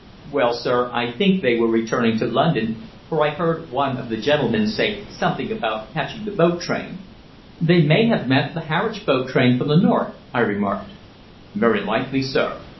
"Well, sir, I think they were returning to London, for I heard one of the gentlemen say something about catching the boat train." "They may have meant the Harwich boat train from the north," I remarked. "Very likely, sir.